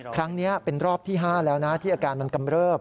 ครั้งนี้เป็นรอบที่๕แล้วนะที่อาการมันกำเริบ